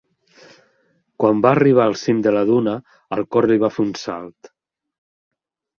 Quan va arribar al cim de la duna, el cor li va fer un salt.